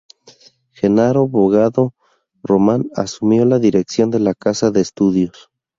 Genaro Bogado Román asumió la dirección de la casa de estudios.